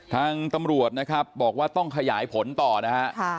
ทางตำรวจนะครับบอกว่าต้องขยายผลต่อนะฮะ